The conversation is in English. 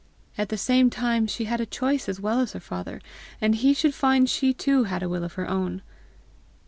At the same time she had a choice as well as her father, and he should find she too had a will of her own!